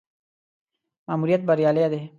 ماموریت بریالی دی.